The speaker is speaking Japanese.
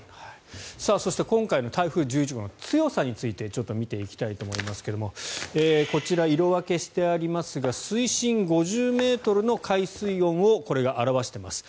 そして今回の台風１１号の強さについて見ていきたいと思いますがこちら、色分けしてありますが水深５０ｍの海水温をこれが表しています。